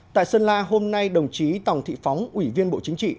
tại sơn la hôm nay đồng chí tòng thị phóng ủy viên bộ chính trị